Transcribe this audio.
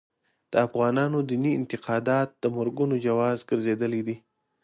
د افغانانو دیني اعتقادات د مرګونو جواز ګرځېدلي دي.